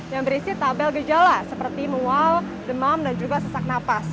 yang berisi tabel gejala seperti mual demam dan juga sesak napas